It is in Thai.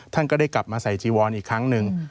ท่านก็ได้กลับมาใส่จีวอนอีกครั้งหนึ่ง